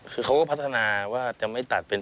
คือเขาก็พัฒนาว่าจะไม่ตัดเป็น